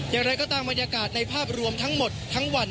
อย่างไรก็ตามบรรยากาศในภาพรวมทั้งหมดทั้งวัน